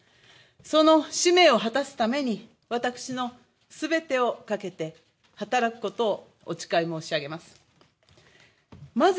その使命を果たすために私のすべてをかけて働くことをお誓い申し上げます。